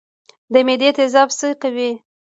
د معدې تیزاب څه کوي؟